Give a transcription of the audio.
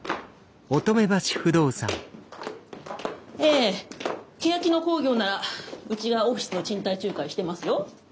ええけやき野興業ならうちがオフィスの賃貸仲介してますよ。